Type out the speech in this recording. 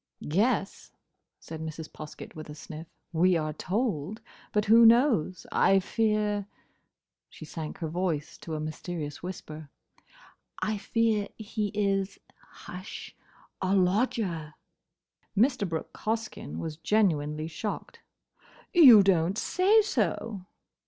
"Yes," said Mrs. Poskett, with a sniff, "we are told. But who knows?—I fear—" she sank her voice to a mysterious whisper—"I fear he is—hush!—a lodger!" Mr. Brooke Hoskyn was genuinely shocked. "You don't say so!"